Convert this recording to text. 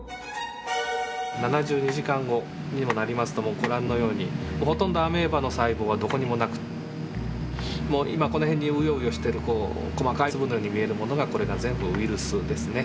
７２時間後にもなりますともうご覧のようにほとんどアメーバの細胞はどこにもなくて今この辺にうようよしている細かい粒のように見えるものがこれが全部ウイルスですね。